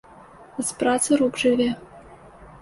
З працы рук жыве.